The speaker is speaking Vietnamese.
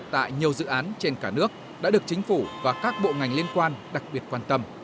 tại nhiều dự án trên cả nước đã được chính phủ và các bộ ngành liên quan đặc biệt quan tâm